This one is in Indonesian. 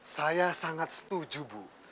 saya sangat setuju bu